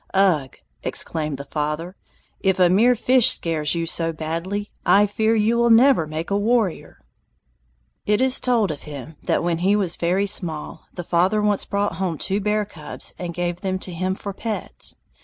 "Ugh," exclaimed the father, "if a mere fish scares you so badly, I fear you will never make a warrior!" It is told of him that when he was very small, the father once brought home two bear cubs and gave them to him for pets.